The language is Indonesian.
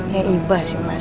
ya iba sih portable